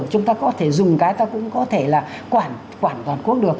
chúng ta có thể dùng cái ta cũng có thể là quản toàn quốc được